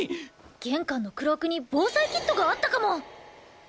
玄関のクロークに防災キットがあったかも！